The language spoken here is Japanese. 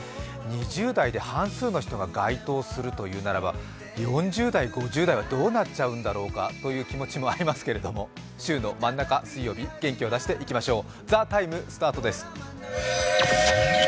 ２０代で半数の人が該当するというならば４０代・５０代はどうなっちゃうんだろうかという気持ちもありますけれども、週の真ん中、水曜日、元気を出していきましょう。